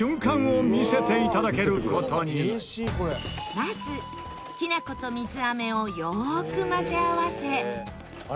まずきな粉と水飴をよく混ぜ合わせ。